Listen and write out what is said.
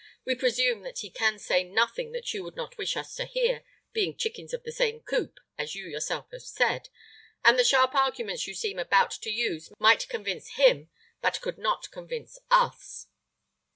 We presume that he can say nothing that you would not wish us to hear, being chickens of the same coop, as you yourself have said; and the sharp arguments you seemed about to use might convince him, but could not convince us."